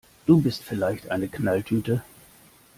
Du bist vielleicht eine Knalltüte!